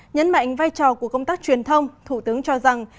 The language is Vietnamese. nhấn mạnh vai trò của công tác truyền thông thủ tướng cho rằng